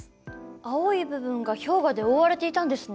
青い部分が氷河で覆われていたんですね。